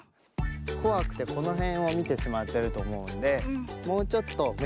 こわくてこのへんをみてしまってるとおもうのでもうちょっとめせんをとおくに。